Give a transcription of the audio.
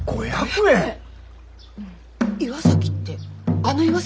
岩崎ってあの岩崎？